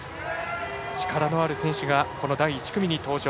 力のある選手がこの第１組に登場。